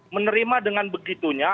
menerima dengan begitunya